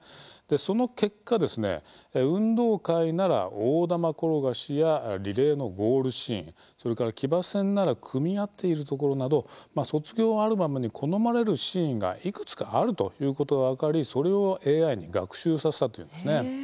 その結果運動会なら大玉転がしやリレーのゴールシーンそれから騎馬戦なら組み合っているところなど卒業アルバムに好まれるシーンがいくつかあるということが分かりそれをＡＩに学習させたというんですね。